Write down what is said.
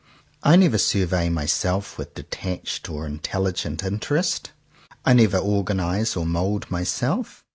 I never survey myself with detached and in telligent interest. I never organize or mould myself.